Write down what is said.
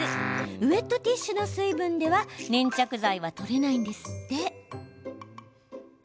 ウエットティッシュの水分では粘着剤は取れないんですって。